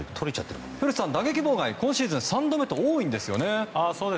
古田さん、打撃妨害が今シーズン３度目と多いですね。